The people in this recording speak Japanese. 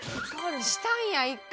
したんや１回。